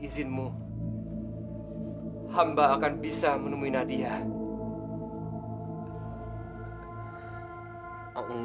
ya allah berikanlah hambamu ini jalan